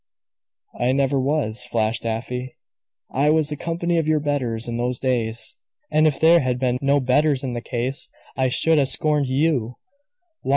"I never was," flashed Afy. "I was the company of your betters in those days: and if there had been no betters in the case, I should have scorned you.